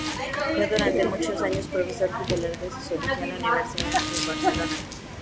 Fue durante muchos años Profesor titular de Sociología en la Universidad de Barcelona.